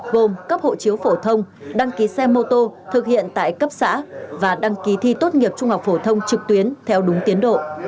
gồm cấp hộ chiếu phổ thông đăng ký xe mô tô thực hiện tại cấp xã và đăng ký thi tốt nghiệp trung học phổ thông trực tuyến theo đúng tiến độ